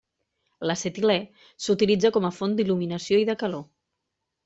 L'acetilè s'utilitza com a font d'il·luminació i de calor.